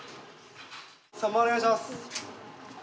３番お願いします。